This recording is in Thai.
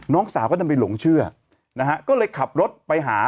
น้องสาวก็นำไปหลงเชื่อนะฮะก็เลยขับรถไปหา